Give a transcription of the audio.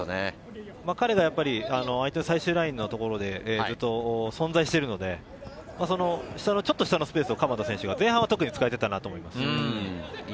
彼が最終ラインのところで存在しているので、ちょっとしたスペースを鎌田選手が前半は特に使えてたなと思います。